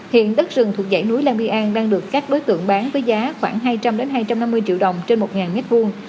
hiện đất rừng thuộc dãy núi la bia an đang được các đối tượng bán với giá khoảng hai trăm linh hai trăm năm mươi triệu đồng trên một mét vuông